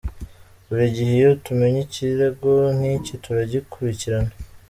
Buri gihe iyo tumenye ikirego nk’iki turagikurikirana.